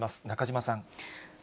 中島さん。